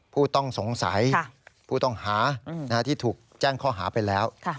ผู้ต้องสงสัยผู้ต้องหาที่ถูกแจ้งข้อหาไปแล้ว